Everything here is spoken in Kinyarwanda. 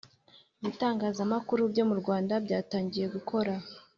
Ibitangaza amakuru byo murwanda byatangiye gukora